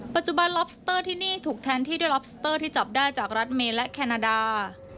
ปัจจุบันล็อบสเตอร์ที่นี่ถูกแทนที่ด้วยล็อบสเตอร์ที่จับได้จากรัฐเมและแคนาดา